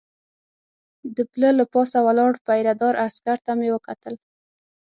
د پله له پاسه ولاړ پیره دار عسکر ته مې وکتل.